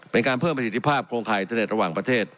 เป็นการเพิ่มประสิทธิภาพโครงการเน็ตระหว่างประเทศ